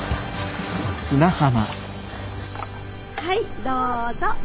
はいどうぞ。